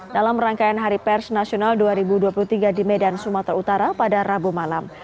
dalam rangkaian hari pers nasional dua ribu dua puluh tiga di medan sumatera utara pada rabu malam